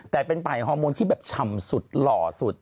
แต่เป็นป่ายฮอร์โมนที่แบบฉ่ำสุดหล่อสุด